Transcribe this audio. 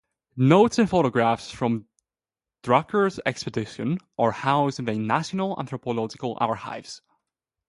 Notes and photographs from Drucker's expedition are housed in the National Anthropological Archives.